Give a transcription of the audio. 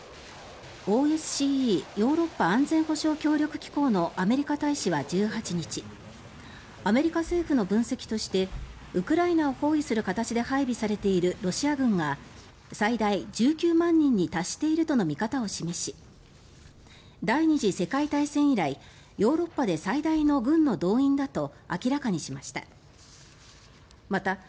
・ヨーロッパ安全保障協力機構のアメリカ大使は１８日アメリカ政府の分析としてウクライナを包囲する形で配備されているロシア軍が最大１９万人に達しているとの見方を示し第２次世界大戦以来ヨーロッパで最大の軍の動員だと明らかにしました。